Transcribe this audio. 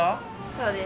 そうです。